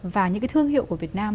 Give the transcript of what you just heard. và những cái thương hiệu của việt nam